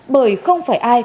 bởi không phải ai